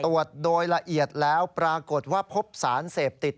ตรวจโดยละเอียดแล้วปรากฏว่าพบสารเสพติด